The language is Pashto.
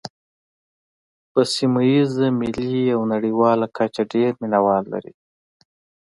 په سیمه ییزه، ملي او نړیواله کچه ډېر مینوال لري.